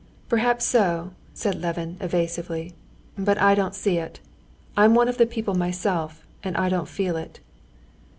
"Perhaps so," said Levin evasively; "but I don't see it. I'm one of the people myself, and I don't feel it."